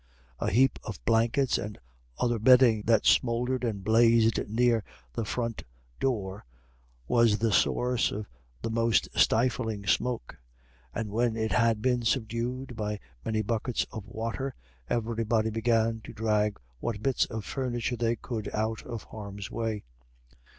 A heap of blankets and other bedding, that smouldered and blazed near the front door, was the source of the most stiffling smoke; and when it had been subdued by many buckets of water, everybody began to drag what bits of the furniture they could out of harm's way.